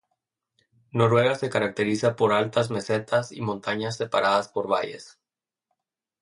Noruega se caracteriza por altas mesetas y montañas separadas por valles.